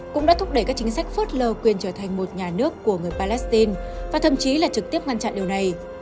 cũng đã thúc đẩy các chính sách phớt lờ quyền trở thành một nhà nước của người palestine và thậm chí là trực tiếp ngăn chặn điều này